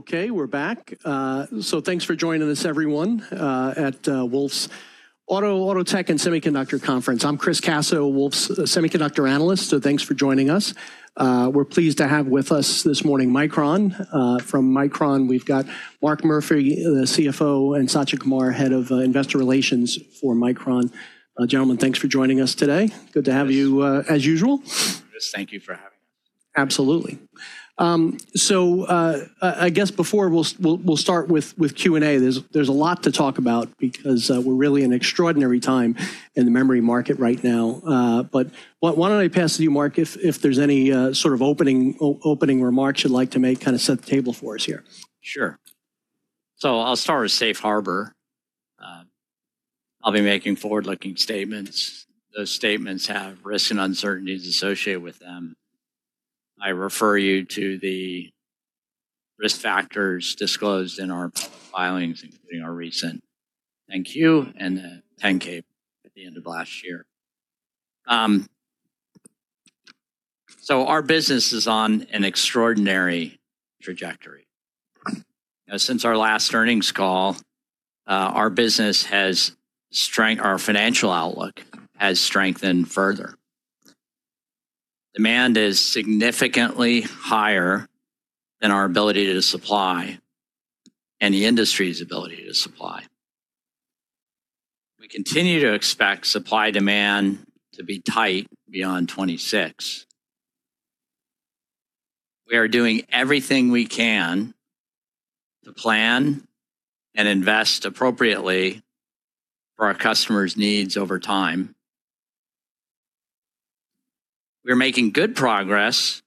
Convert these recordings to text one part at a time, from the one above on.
Okay, we're back. So thanks for joining us, everyone, at Wolfe's Auto, Auto Tech, and Semiconductor Conference. I'm Chris Caso, Wolfe's semiconductor analyst. So thanks for joining us. We're pleased to have with us this morning Micron. From Micron, we've got Mark Murphy, the CFO, and Satya Kumar, head of investor relations for Micron. Gentlemen, thanks for joining us today. Good to have you, as usual. Just thank you for having us. Absolutely. So, I guess before we start with Q&A. There's a lot to talk about because we're really in an extraordinary time in the memory market right now. Why don't I pass it to you, Mark, if there's any sort of opening remarks you'd like to make, kind of set the table for us here. Sure. So I'll start with Safe Harbor. I'll be making forward-looking statements. Those statements have risks and uncertainties associated with them. I refer you to the risk factors disclosed in our public filings, including our recent 10-Q and the 10-K at the end of last year. So our business is on an extraordinary trajectory. since our last earnings call, our business has strengthened, our financial outlook has strengthened further. Demand is significantly higher than our ability to supply and the industry's ability to supply. We continue to expect supply-demand to be tight beyond 2026. We are doing everything we can to plan and invest appropriately for our customers' needs over time. We're making good progress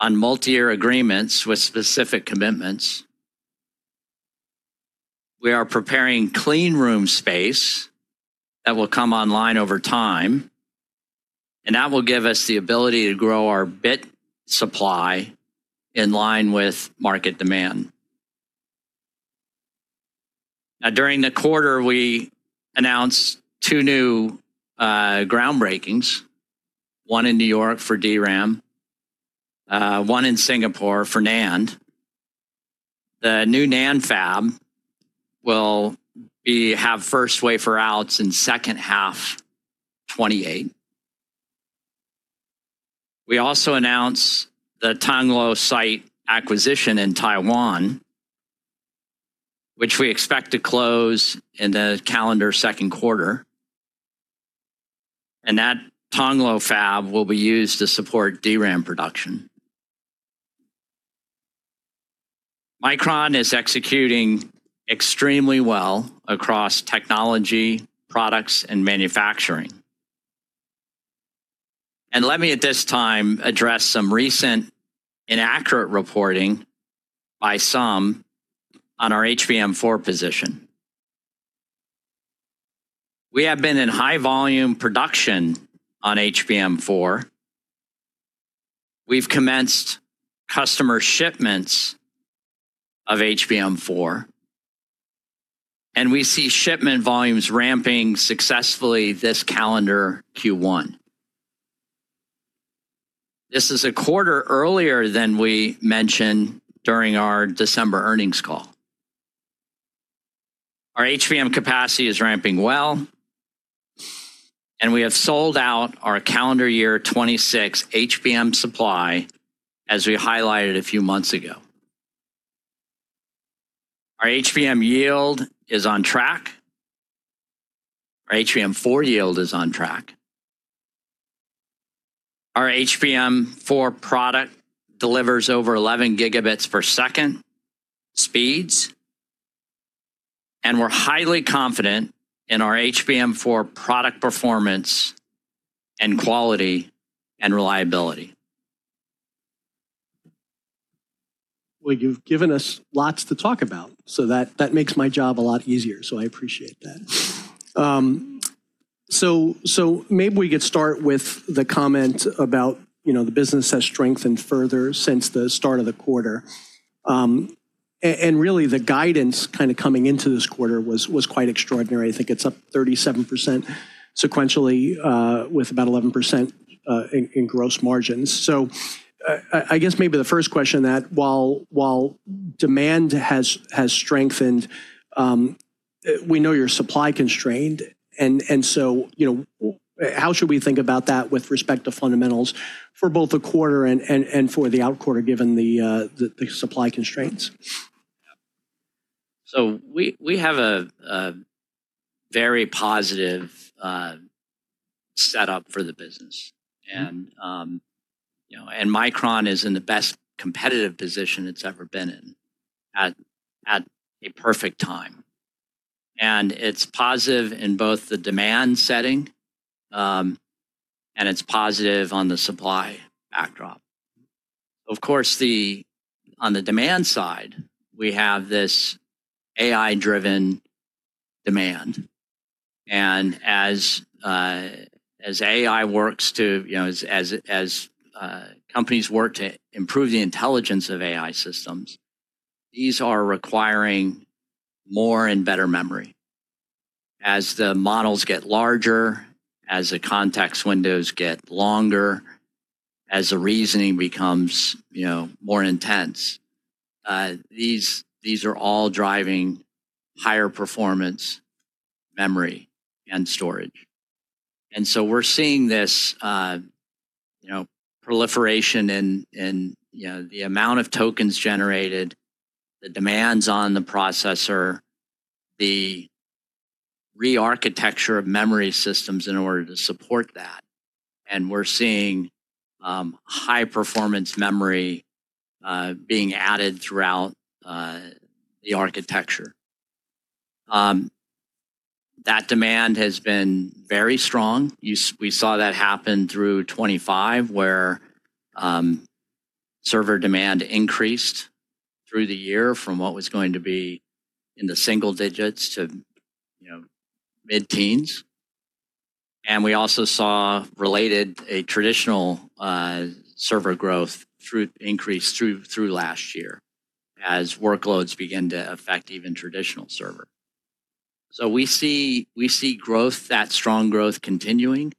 on multi-year agreements with specific commitments. We are preparing clean room space that will come online over time, and that will give us the ability to grow our bit supply in line with market demand. Now, during the quarter, we announced two new groundbreakings. One in New York for DRAM. One in Singapore for NAND. The new NAND fab will have first wafer out in second half 2028. We also announced the Tongluo site acquisition in Taiwan, which we expect to close in the calendar second quarter. And that Tongluo fab will be used to support DRAM production. Micron is executing extremely well across technology, products, and manufacturing. And let me, at this time, address some recent inaccurate reporting by some on our HBM4 position. We have been in high-volume production on HBM4. We've commenced customer shipments of HBM4, and we see shipment volumes ramping successfully this calendar Q1. This is a quarter earlier than we mentioned during our December earnings call. Our HBM capacity is ramping well, and we have sold out our calendar year 2026 HBM supply, as we highlighted a few months ago. Our HBM yield is on track. Our HBM4 yield is on track. Our HBM4 product delivers over 11 Gbps speeds, and we're highly confident in our HBM4 product performance and quality and reliability. Well, you've given us lots to talk about, so that makes my job a lot easier, so I appreciate that. So maybe we could start with the comment about, the business has strengthened further since the start of the quarter. And really, the guidance kind of coming into this quarter was quite extraordinary. I think it's up 37% sequentially, with about 11% in gross margins. So I guess maybe the first question, that while demand has strengthened, we know you're supply-constrained, and so, how should we think about that with respect to fundamentals for both the quarter and for the out-quarter given the supply constraints? So we have a very positive setup for the business. And, Micron is in the best competitive position it's ever been in at a perfect time. And it's positive in both the demand setting, and it's positive on the supply backdrop. Of course, on the demand side, we have this AI-driven demand. And as AI works to, as companies work to improve the intelligence of AI systems, these are requiring more and better memory. As the models get larger, as the context windows get longer, as the reasoning becomes, more intense, these are all driving higher performance memory and storage. And so we're seeing this, proliferation in the amount of tokens generated, the demands on the processor, the re-architecture of memory systems in order to support that. And we're seeing high-performance memory being added throughout the architecture. That demand has been very strong. You see we saw that happen through 2025 where server demand increased through the year from what was going to be in the single digits to, mid-teens. And we also saw related to traditional server growth increase through last year as workloads begin to affect even traditional server. So we see that strong growth continuing.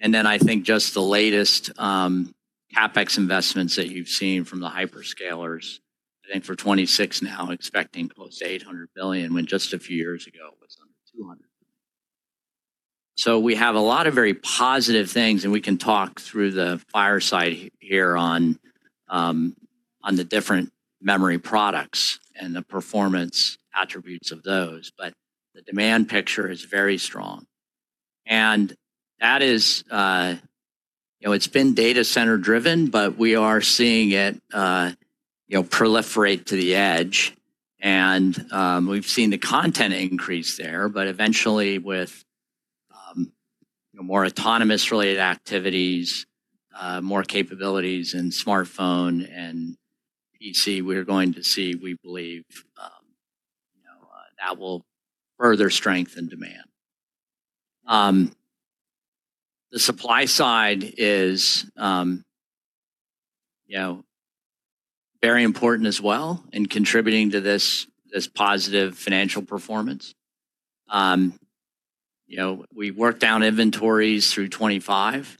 And then I think just the latest CapEx investments that you've seen from the hyperscalers, I think for 2026 now expecting close to $800 billion when just a few years ago it was under $200 billion. So we have a lot of very positive things, and we can talk through the fireside here on the different memory products and the performance attributes of those. But the demand picture is very strong. That is, it's been data center-driven, but we are seeing it, proliferate to the edge. We've seen the content increase there, but eventually with, more autonomous-related activities, more capabilities in smartphone and PC, we're going to see, we believe, that will further strengthen demand. The supply side is, very important as well in contributing to this, this positive financial performance. we worked down inventories through 2025.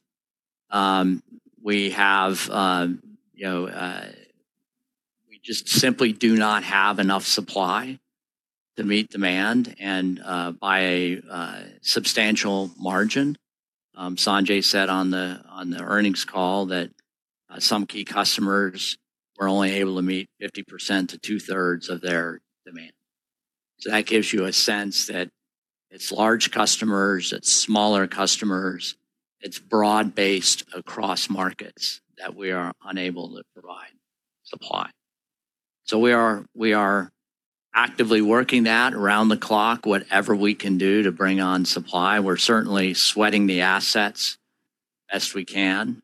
We have, we just simply do not have enough supply to meet demand and, by a substantial margin. Sanjay said on the earnings call that some key customers were only able to meet 50% to two-thirds of their demand. So that gives you a sense that it's large customers, it's smaller customers, it's broad-based across markets that we are unable to provide supply. So we are actively working that around the clock, whatever we can do to bring on supply. We're certainly sweating the assets best we can,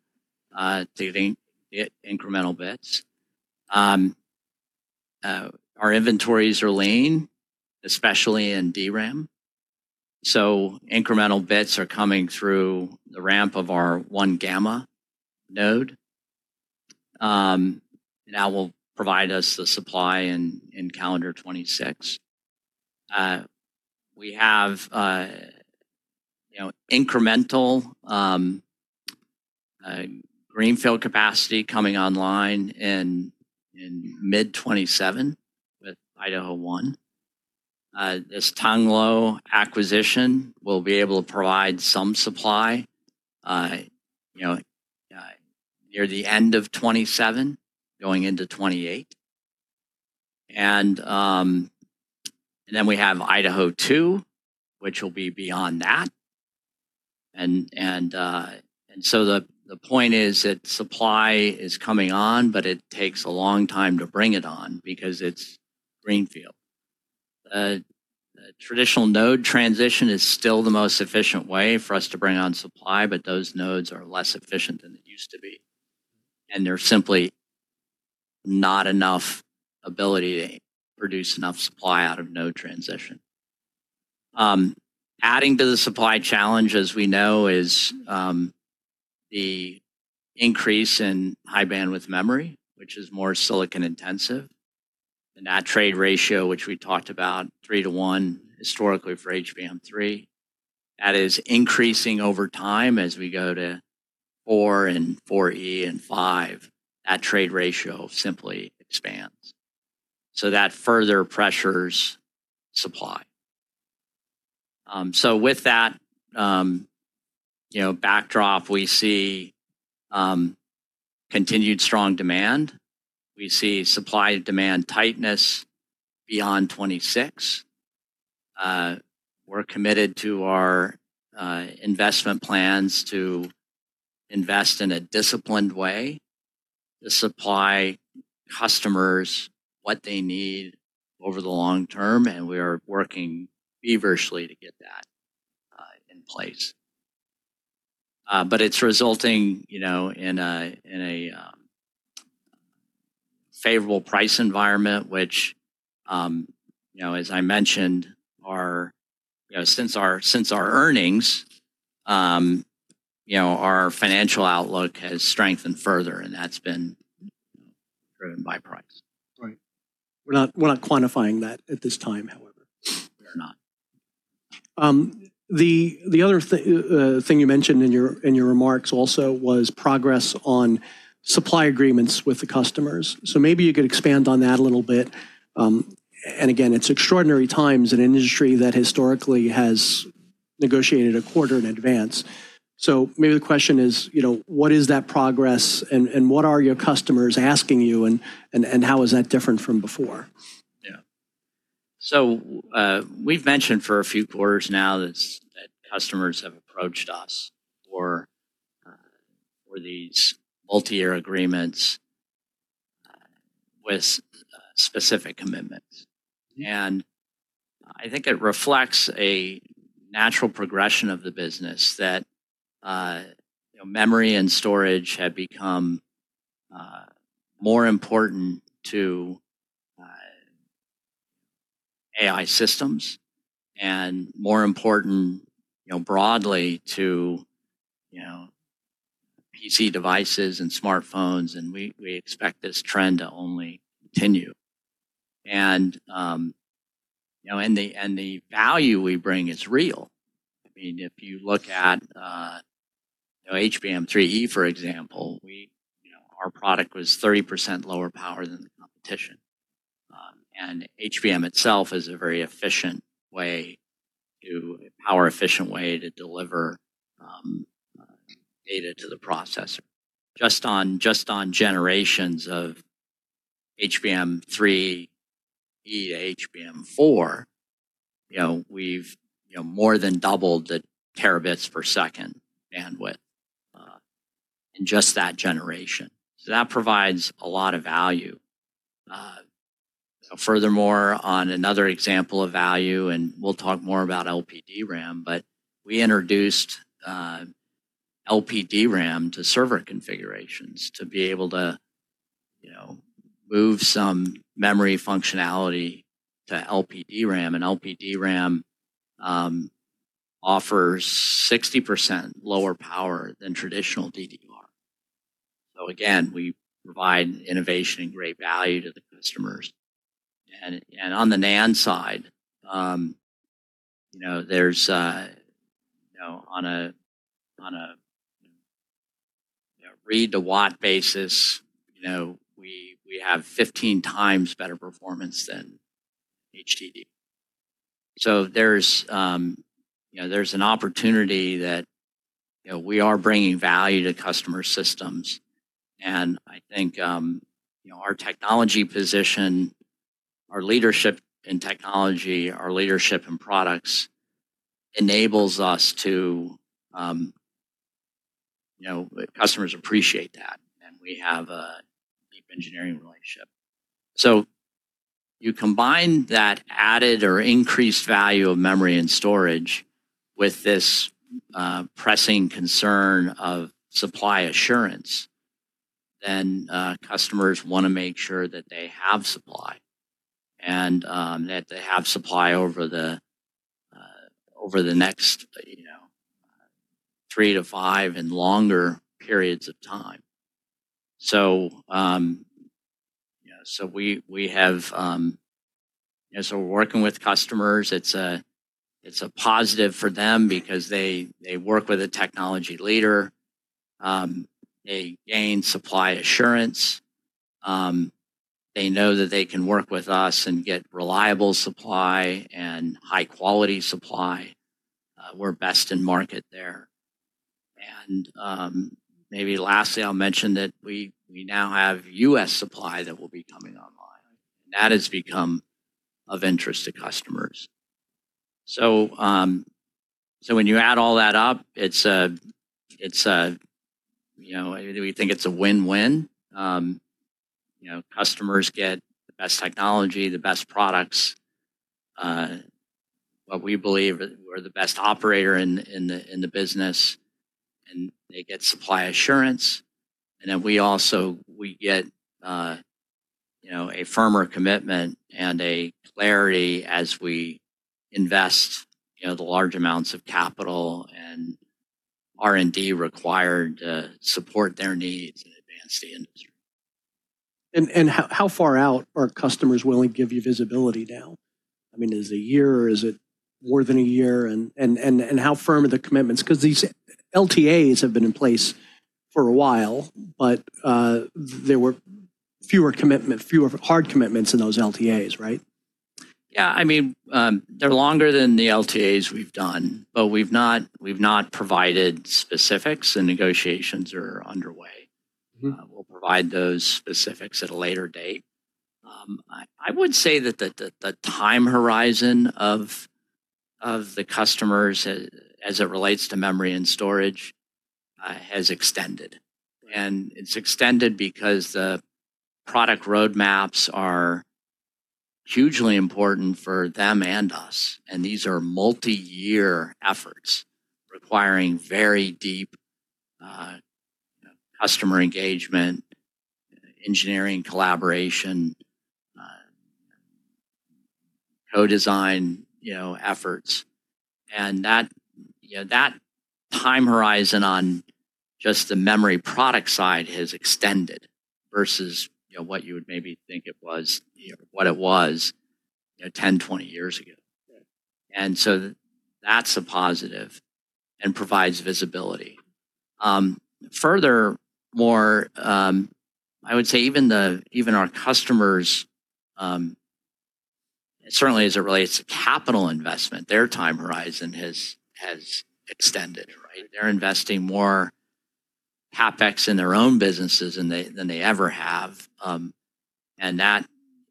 doing incremental bits. Our inventories are lean, especially in DRAM. So incremental bits are coming through the ramp of our 1-gamma node, and that will provide us the supply in calendar 2026. We have, incremental greenfield capacity coming online in mid-2027 with Idaho One. This Tongluo acquisition will be able to provide some supply, near the end of 2027 going into 2028. And so the point is that supply is coming on, but it takes a long time to bring it on because it's greenfield. The traditional node transition is still the most efficient way for us to bring on supply, but those nodes are less efficient than it used to be. There's simply not enough ability to produce enough supply out of node transition. Adding to the supply challenge, as we know, is the increase in high-bandwidth memory, which is more silicon-intensive. And that trade ratio, which we talked about, 3-to-1 historically for HBM3, that is increasing over time as we go to 4 and 4E and 5. That trade ratio simply expands. So that further pressures supply. With that, backdrop, we see continued strong demand. We see supply-demand tightness beyond 2026. We're committed to our investment plans to invest in a disciplined way to supply customers what they need over the long term, and we are working feverishly to get that in place. But it's resulting, in a favorable price environment, which, as I mentioned, since our earnings, our financial outlook has strengthened further, and that's been, driven by price. Right. We're not quantifying that at this time, however. We are not. The other thing you mentioned in your remarks also was progress on supply agreements with the customers. So maybe you could expand on that a little bit. And again, it's extraordinary times in an industry that historically has negotiated a quarter in advance. So maybe the question is, what is that progress and what are your customers asking you, and how is that different from before? Yeah. So, we've mentioned for a few quarters now that customers have approached us for these multi-year agreements with specific commitments. And I think it reflects a natural progression of the business that, memory and storage have become more important to AI systems and more important, broadly to, PC devices and smartphones, and we expect this trend to only continue. And, the value we bring is real. I mean, if you look at, HBM3E, for example, we, our product was 30% lower power than the competition. And HBM itself is a very power-efficient way to deliver data to the processor. Just on generations of HBM3E to HBM4, we've, more than doubled the terabits per second bandwidth in just that generation. So that provides a lot of value. furthermore, on another example of value, and we'll talk more about LPDRAM, but we introduced LPDRAM to server configurations to be able to, move some memory functionality to LPDRAM. And LPDRAM offers 60% lower power than traditional DDR. So again, we provide innovation and great value to the customers. And on the NAND side, there's, on a read-to-watt basis, we have 15 times better performance than HDD. So there's, an opportunity that, we are bringing value to customer systems. And I think, our technology position, our leadership in technology, our leadership in products enables us to, customers appreciate that, and we have a deep engineering relationship. So you combine that added or increased value of memory and storage with this pressing concern of supply assurance, then customers wanna make sure that they have supply and that they have supply over the next, 3-5 and longer periods of time. So, we're working with customers. It's a positive for them because they work with a technology leader. They gain supply assurance. They know that they can work with us and get reliable supply and high-quality supply. We're best in market there. And, maybe lastly, I'll mention that we now have U.S. supply that will be coming online. And that has become of interest to customers. So when you add all that up, it's a, we think it's a win-win. Customers get the best technology, the best products. What we believe we're the best operator in the business, and they get supply assurance. And then we also get, a firmer commitment and a clarity as we invest, the large amounts of capital and R&D required to support their needs and advance the industry. And how far out are customers willing to give you visibility now? I mean, is it a year or is it more than a year? And how firm are the commitments? 'Cause these LTAs have been in place for a while, but there were fewer commitments, fewer hard commitments in those LTAs, right? Yeah. I mean, they're longer than the LTAs we've done, but we've not provided specifics, and negotiations are underway. We'll provide those specifics at a later date. I would say that the time horizon of the customers as it relates to memory and storage has extended. It's extended because the product roadmaps are hugely important for them and us, and these are multi-year efforts requiring very deep, customer engagement, engineering collaboration, co-design, efforts. That time horizon on just the memory product side has extended versus what you would maybe think it was, what it was, 10 to 20 years ago. Right. And so that's a positive and provides visibility. Furthermore, I would say even our customers, certainly as it relates to capital investment, their time horizon has extended, right? They're investing more CapEx in their own businesses than they ever have. And that,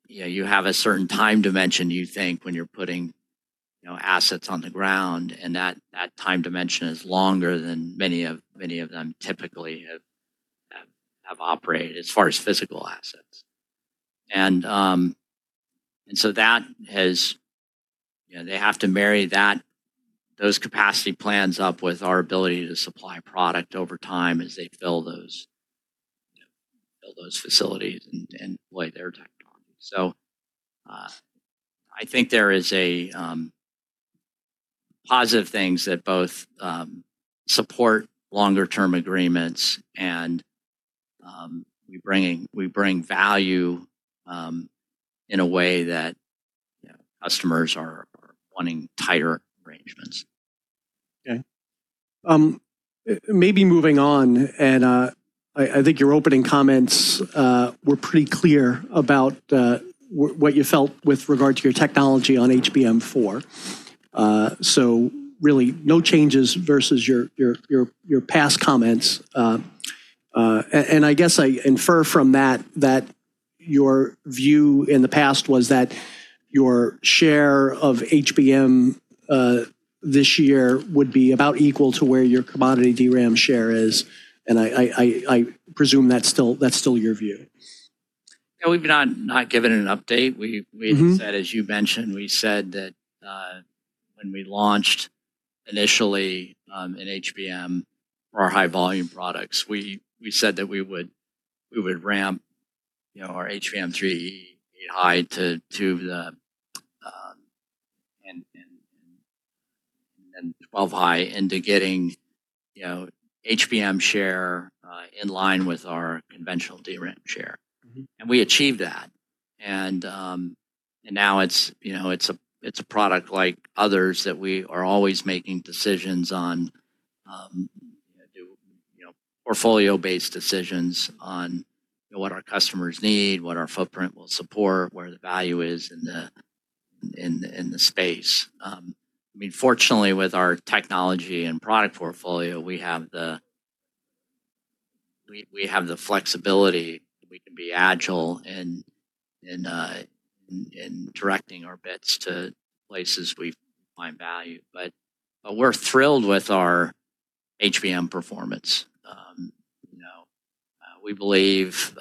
you have a certain time dimension, you think, when you're putting, assets on the ground, and that time dimension is longer than many of them typically have operated as far as physical assets. And so that has, they have to marry those capacity plans up with our ability to supply product over time as they fill those, fill those facilities and deploy their technology. So, I think there is positive things that both support longer-term agreements and we bring value in a way that, customers are wanting tighter arrangements. Okay. Maybe moving on, I think your opening comments were pretty clear about what you felt with regard to your technology on HBM4. So really no changes versus your past comments. And I guess I infer from that that your view in the past was that your share of HBM this year would be about equal to where your commodity DRAM share is. And I presume that's still your view. Yeah. We've not given an update. We said, as you mentioned, that when we launched initially in HBM for our high-volume products, we would ramp, our HBM3E 8-high to the, and then 12 high into getting, HBM share in line with our conventional DRAM share. And we achieved that. And now it's, it's a product like others that we are always making decisions on, portfolio-based decisions on, what our customers need, what our footprint will support, where the value is in the space. I mean, fortunately, with our technology and product portfolio, we have the flexibility. We can be agile in directing our bits to places we find value. But we're thrilled with our HBM performance. we believe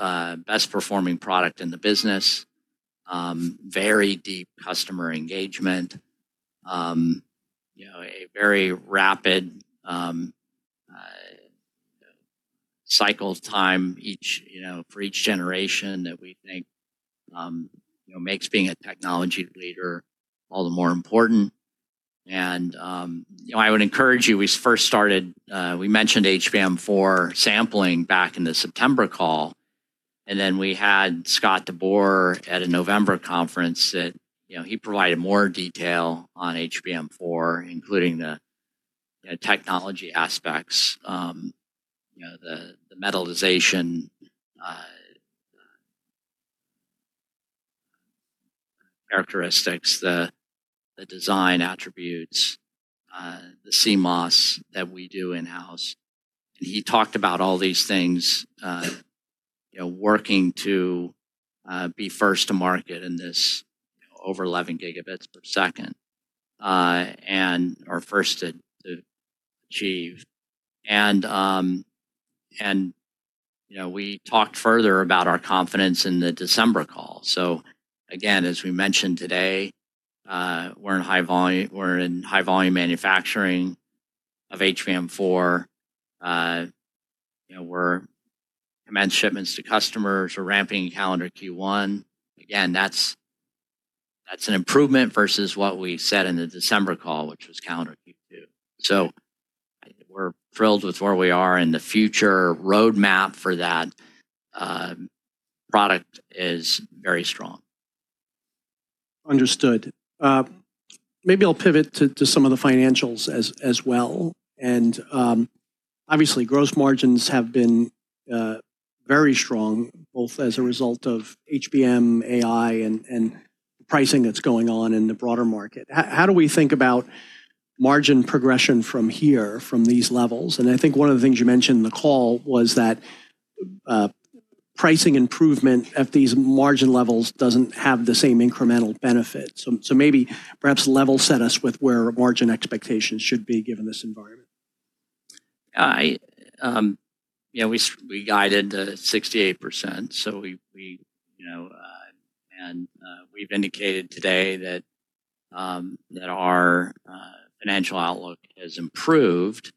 best-performing product in the business, very deep customer engagement, a very rapid cycle of time each, for each generation that we think, makes being a technology leader all the more important. I would encourage you. We first started, we mentioned HBM4 sampling back in the September call, and then we had Scott DeBoer at a November conference that, he provided more detail on HBM4, including the, technology aspects, the, the metallization characteristics, the, the design attributes, the CMOS that we do in-house. And he talked about all these things, working to be first to market in this, over 11 Gbps, and or first to, to achieve. And, and, we talked further about our confidence in the December call. So again, as we mentioned today, we're in high-volume we're in high-volume manufacturing of HBM4. we're commenced shipments to customers. We're ramping calendar Q1. Again, that's, that's an improvement versus what we said in the December call, which was calendar Q2. I think we're thrilled with where we are, and the future roadmap for that product is very strong. Understood. Maybe I'll pivot to some of the financials as well. And, obviously, gross margins have been very strong both as a result of HBM, AI, and the pricing that's going on in the broader market. How do we think about margin progression from here, from these levels? And I think one of the things you mentioned in the call was that pricing improvement at these margin levels doesn't have the same incremental benefit. So maybe perhaps level set us with where margin expectations should be given this environment? Yeah. we guided 68%. So we, and we've indicated today that our financial outlook has improved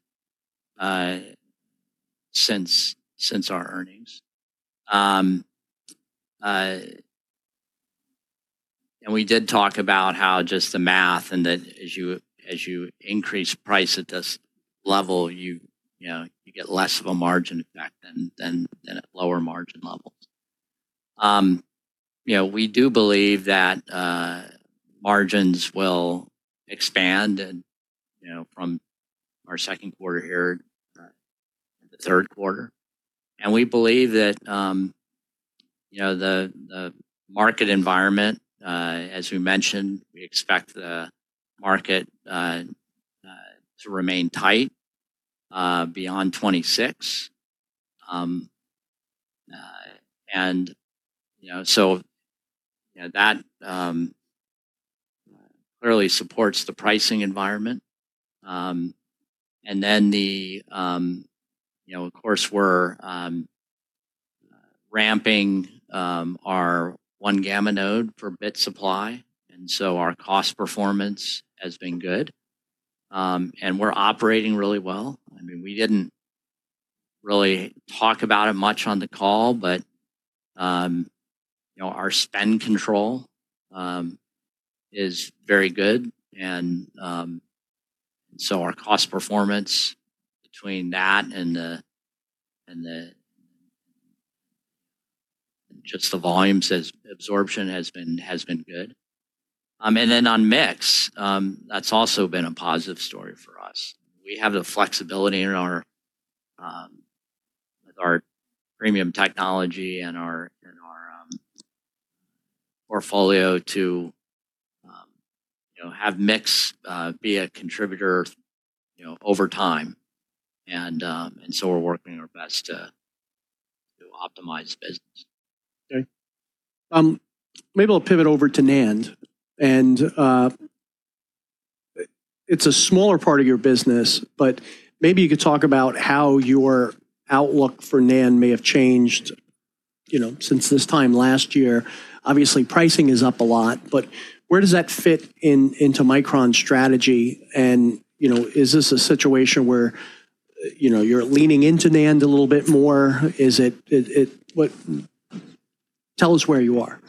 since our earnings. And we did talk about how just the math and that as you increase price at this level, you get less of a margin effect than at lower margin levels. we do believe that margins will expand, from our second quarter here into third quarter. And we believe that, the market environment, as we mentioned, we expect the market to remain tight beyond 2026. And, so, that clearly supports the pricing environment. And then, of course, we're ramping our 1-gamma node for bit supply, and so our cost performance has been good. And we're operating really well. I mean, we didn't really talk about it much on the call, but our spend control is very good. And so our cost performance between that and just the volumes has absorption has been good. And then on mix, that's also been a positive story for us. We have the flexibility with our premium technology and our portfolio to, have mix be a contributor, over time. And so we're working our best to optimize business. Okay. Maybe I'll pivot over to NAND. And, it's a smaller part of your business, but maybe you could talk about how your outlook for NAND may have changed, since this time last year. Obviously, pricing is up a lot, but where does that fit in, into Micron's strategy? And, is this a situation where, you're leaning into NAND a little bit more? Is it what tell us where you are.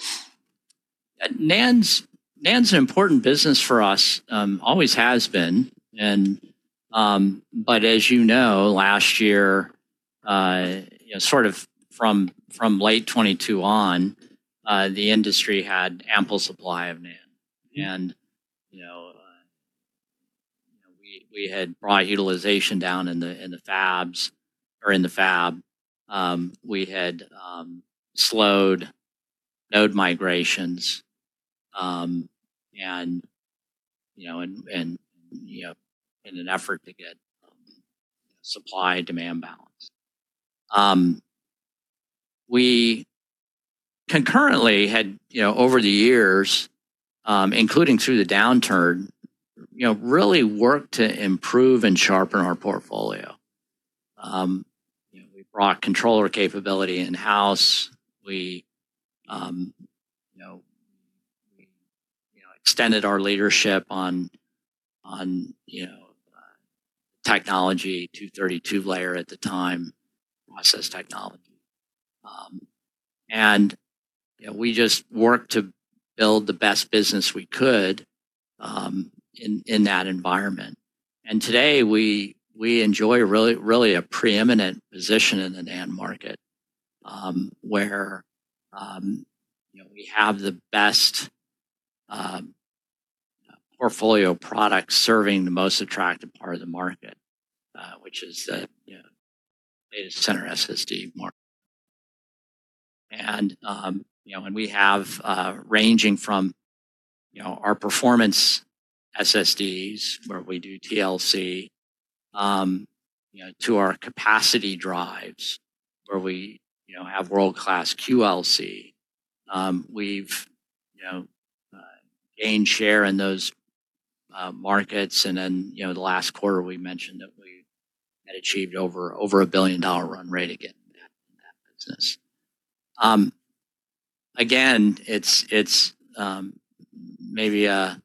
NAND's an important business for us. Always has been. And, but as last year, sort of from late 2022 on, the industry had ample supply of NAND. And, we, we had brought utilization down in the in the fabs or in the fab. We had slowed node migrations. And, and, and, and, in an effort to get, supply-demand balance. We concurrently had, over the years, including through the downturn, really worked to improve and sharpen our portfolio. we brought controller capability in-house. We, we, extended our leadership on, on, technology 232-layer at the time, process technology. And, we just worked to build the best business we could, in that environment. And today, we enjoy really, really a preeminent position in the NAND market, where, we have the best portfolio product serving the most attractive part of the market, which is the, data center SSD market. And, and we have, ranging from, our performance SSDs where we do TLC, to our capacity drives where we, have world-class QLC. We've, gained share in those markets. And then, the last quarter, we mentioned that we had achieved over a billion-dollar run rate again in that business. Again, it's maybe a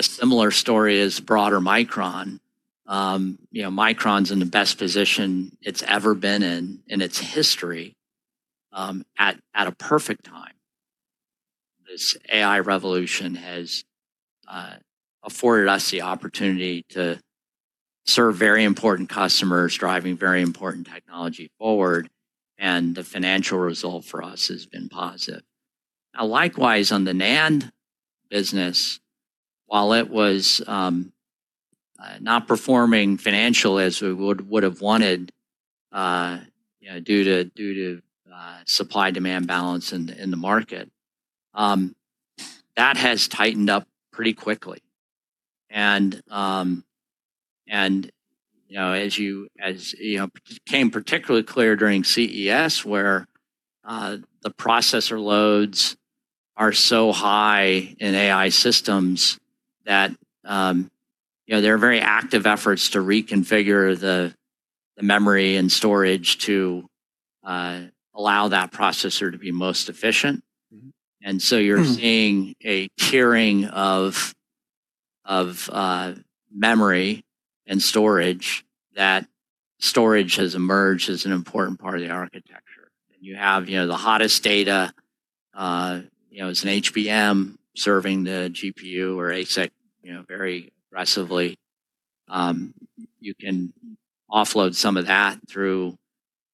similar story as broader Micron. Micron's in the best position it's ever been in its history, at a perfect time. This AI revolution has afforded us the opportunity to serve very important customers, driving very important technology forward, and the financial result for us has been positive. Now, likewise, on the NAND business, while it was not performing financially as we would would have wanted, due to due to supply-demand balance in the in the market, that has tightened up pretty quickly. And, and, as you as became particularly clear during CES where the processor loads are so high in AI systems that, there are very active efforts to reconfigure the the memory and storage to allow that processor to be most efficient. And so you're seeing a tiering of memory and storage that storage has emerged as an important part of the architecture. And you have, the hottest data, as an HBM serving the GPU or ASIC very aggressively. You can offload some of that through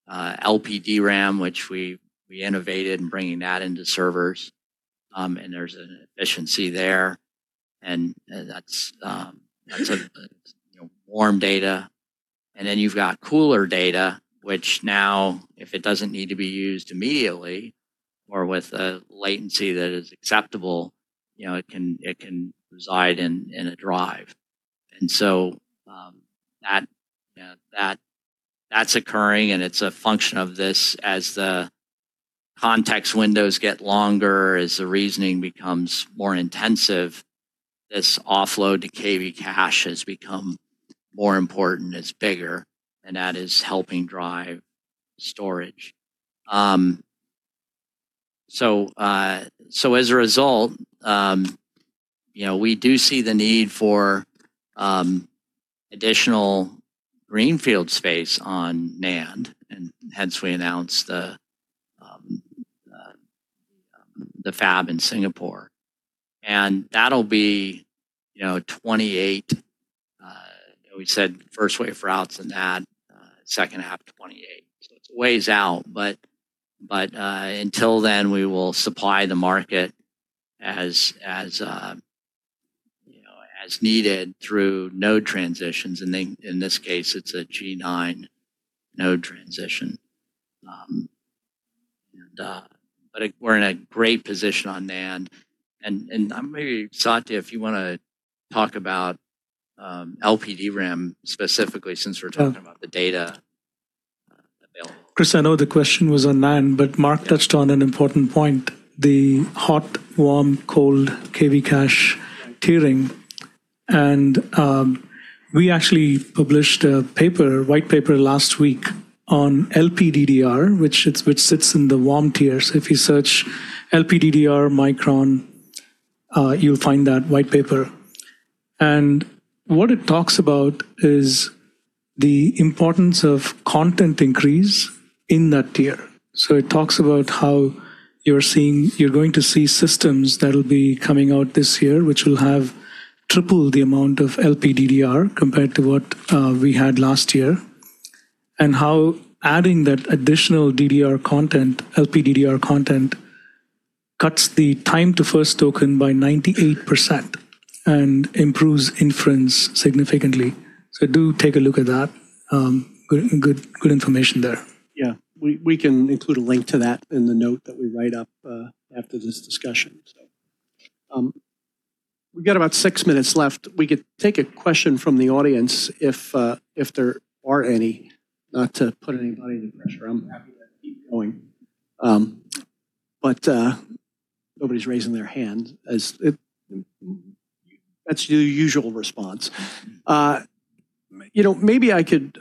LPDRAM, which we innovated in bringing that into servers. And there's an efficiency there. And that's, warm data. And then you've got cooler data, which now, if it doesn't need to be used immediately or with a latency that is acceptable, it can reside in a drive. So, that, that's occurring, and it's a function of this as the context windows get longer, as the reasoning becomes more intensive. This offload to KV cache has become more important, is bigger, and that is helping drive storage. So as a result, we do see the need for additional greenfield space on NAND and hence we announced the fab in Singapore. And that'll be, 2028. we said first wafer starts and that, second half 2028. So it plays out, but until then, we will supply the market as, as needed through node transitions. And in this case, it's a G9 node transition. But we're in a great position on NAND. And maybe Satya, if you wanna talk about LPDRAM specifically, since we're talking about the data available. Chris, I know the question was on NAND, but Mark touched on an important point, the hot, warm, cold KV cache tiering. And, we actually published a paper, white paper last week on LPDDR, which sits in the warm tiers. If you search LPDDR Micron, you'll find that white paper. And what it talks about is the importance of content increase in that tier. So it talks about how you're going to see systems that'll be coming out this year which will have tripled the amount of LPDDR compared to what we had last year and how adding that additional DDR content, LPDDR content, cuts the time to first token by 98% and improves inference significantly. So do take a look at that. Good, good information there. Yeah. We can include a link to that in the note that we write up after this discussion, so. We've got about 6 minutes left. We could take a question from the audience if there are any, not to put anybody under pressure. I'm happy to keep going. But nobody's raising their hand as that's the usual response. maybe I could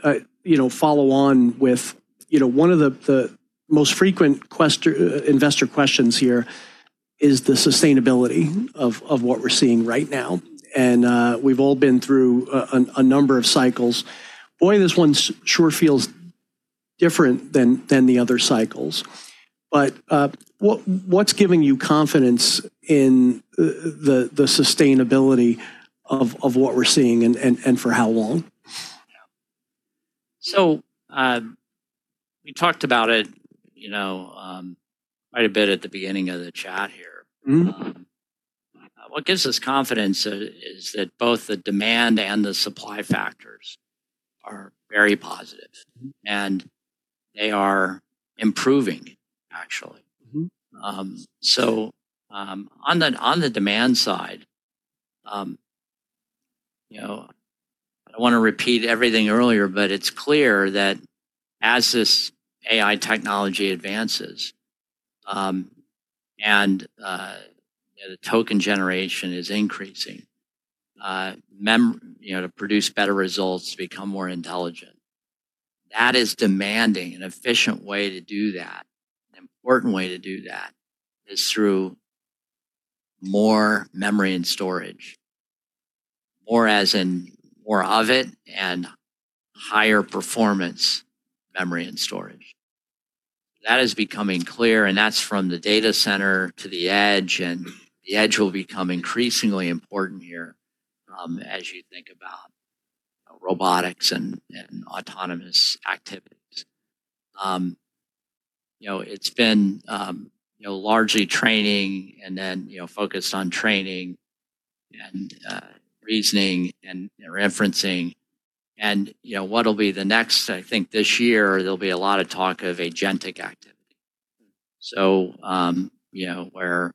follow on with one of the most frequent investor questions here is the sustainability of what we're seeing right now. And we've all been through a number of cycles. Boy, this one sure feels different than the other cycles. But what's giving you confidence in the sustainability of what we're seeing and for how long? Yeah. So, we talked about it, quite a bit at the beginning of the chat here. What gives us confidence is that both the demand and the supply factors are very positive, and they are improving, actually. So, on the demand side, I don't wanna repeat everything earlier, but it's clear that as this AI technology advances, and, the token generation is increasing, memory to produce better results, become more intelligent. That is demanding. An efficient way to do that, an important way to do that, is through more memory and storage, more as in more of it and higher performance memory and storage. That is becoming clear, and that's from the data center to the edge, and the edge will become increasingly important here, as you think about, robotics and autonomous activities. it's been, largely training and then, focused on training and, reasoning and, referencing. And, what'll be the next I think this year, there'll be a lot of talk of agentic activity. So, where,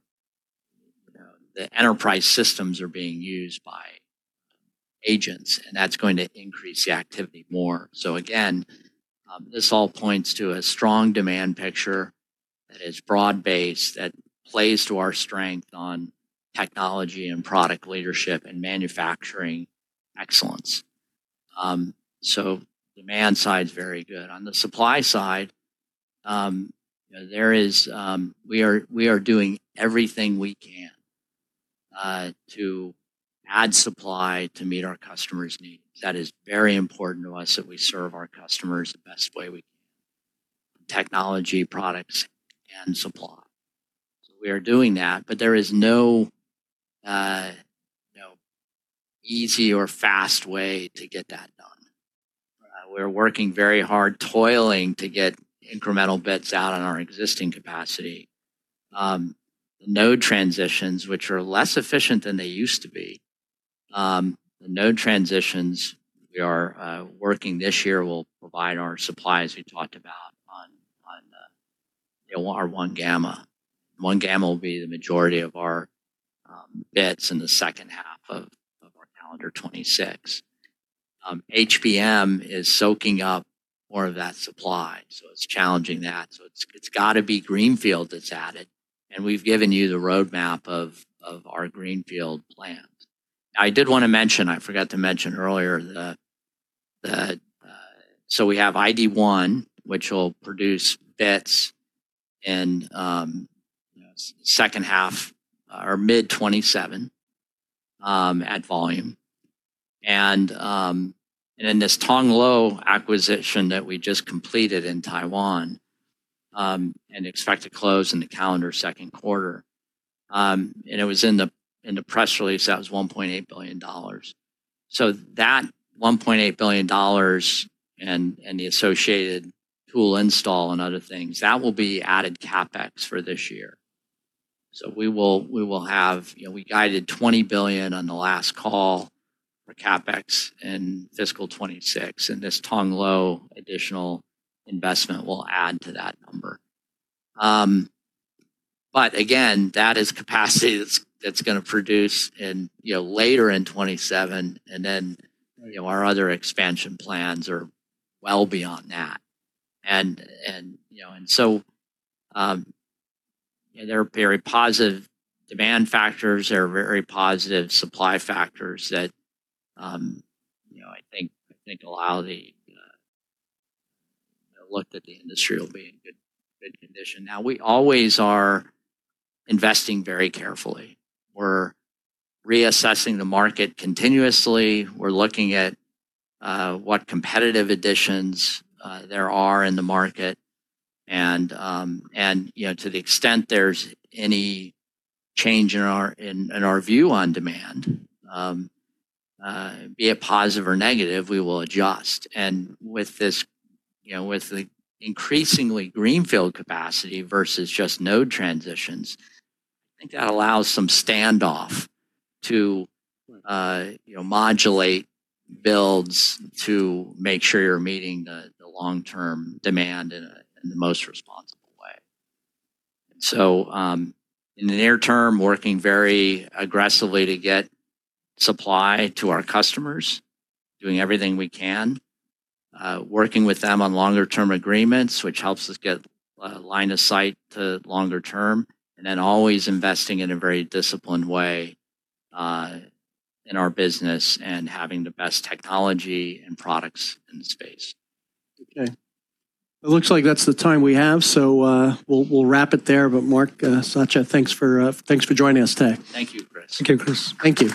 the enterprise systems are being used by agents, and that's going to increase the activity more. So again, this all points to a strong demand picture that is broad-based, that plays to our strength on technology and product leadership and manufacturing excellence. So demand side's very good. On the supply side, there is, we are doing everything we can to add supply to meet our customers' needs. That is very important to us that we serve our customers the best way we can, technology, products, and supply. So we are doing that, but there is no, easy or fast way to get that done. We're working very hard, toiling to get incremental bits out on our existing capacity. The node transitions, which are less efficient than they used to be, the node transitions we are working this year will provide our supply, as we talked about, on the, our 1 gamma. 1 gamma will be the majority of our bits in the second half of our calendar 2026. HBM is soaking up more of that supply, so it's challenging that. So it's gotta be greenfield that's added, and we've given you the roadmap of our greenfield plans. Now, I did wanna mention I forgot to mention earlier the, so we have ID1, which will produce bits in, second half or mid-2027, at volume. And then this Tongluo acquisition that we just completed in Taiwan, and expect to close in the calendar second quarter, and it was in the press release, that was $1.8 billion. So that $1.8 billion and the associated tool install and other things, that will be added CapEx for this year. So we will have, we guided $20 billion on the last call for CapEx in fiscal 2026, and this Tongluo additional investment will add to that number. But again, that is capacity that's gonna produce in, later in 2027, and then, our other expansion plans are well beyond that. And so, there are very positive demand factors. There are very positive supply factors that, I think allow the, look that the industry will be in good condition. Now, we always are investing very carefully. We're reassessing the market continuously. We're looking at what competitive additions there are in the market. to the extent there's any change in our view on demand, be it positive or negative, we will adjust. With this, with the increasingly greenfield capacity versus just node transitions, I think that allows some standoff to, modulate builds to make sure you're meeting the long-term demand in the most responsible way. In the near term, working very aggressively to get supply to our customers, doing everything we can, working with them on longer-term agreements, which helps us get line of sight to longer term, and then always investing in a very disciplined way, in our business and having the best technology and products in the space. Okay. It looks like that's the time we have, so we'll wrap it there. But Mark, Satya, thanks for joining us today. Thank you, Chris. Thank you, Chris. Thank you.